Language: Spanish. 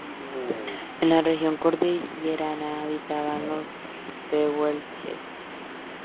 En la región cordillerana habitaban los Tehuelches.